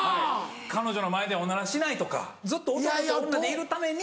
彼女の前でおならしないとかずっと男と女でいるために。